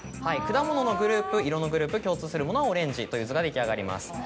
果物のグループ色のグループ共通するものはオレンジという図が出来上がります。